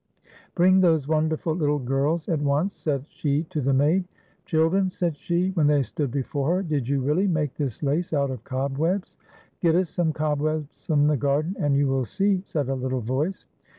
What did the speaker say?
" Bring those wonderful little girls at once," said she to the maid. " Children," said she, when they stood before her, "did you really make this lace out of cobwebs V " Get us some cobwebs from the garden and you will see," said a little voice.